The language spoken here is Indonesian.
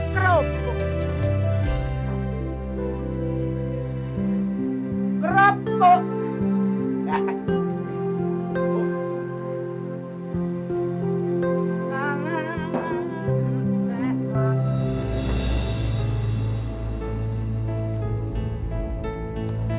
kerupuknya enak mas